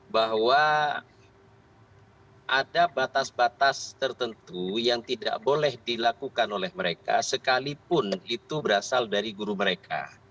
bahwa ada batas batas tertentu yang tidak boleh dilakukan oleh mereka sekalipun itu berasal dari guru mereka